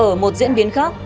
ở một diễn biến khác